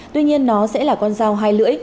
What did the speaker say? tuy nhiên nó sẽ là con dao hai lưỡi